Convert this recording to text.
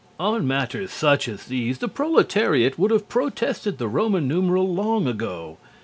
On matters such as these the proletariat would have protested the Roman numeral long ago.